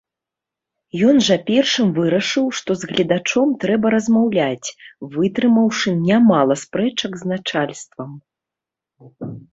Ён жа першым вырашыў, што з гледачом трэба размаўляць, вытрымаўшы нямала спрэчак з начальствам.